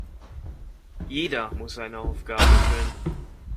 Jeder muss seine Aufgaben erfüllen.